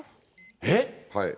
えっ？